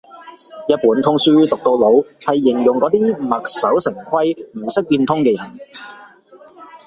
一本通書讀到老係用嚟形容嗰啲墨守成規唔識變通嘅人